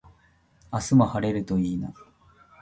明日も晴れるといいな。